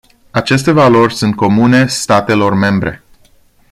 Aceste valori sunt comune statelor membre.